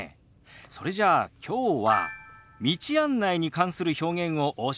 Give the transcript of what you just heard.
それじゃあきょうは道案内に関する表現をお教えしましょう。